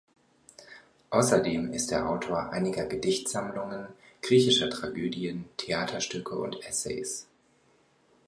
Außerdem ist er Autor einiger Gedichtsammlungen, griechischer Tragödien, Theaterstücke und Essays.